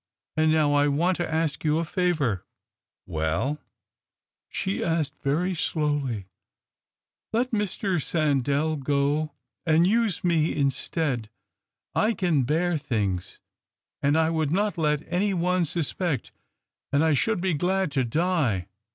And now I want to ask you a favour." " Well ?" She spoke very slowly. " Let Mr. Sandell go, and use me instead. I can bear things, and I would not let any one suspect, and I should be glad to die."